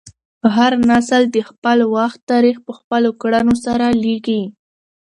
هر نسل د خپل وخت تاریخ په خپلو کړنو سره لیکي.